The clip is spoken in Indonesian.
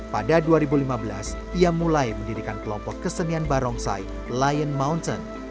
pada dua ribu lima belas ia mulai mendirikan kelompok kesenian barongsai lion mountain